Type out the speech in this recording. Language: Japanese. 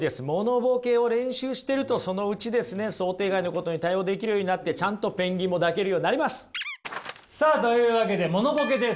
モノボケを練習してるとそのうちですね想定外のことに対応できるようになってちゃんとペンギンも抱けるようになります。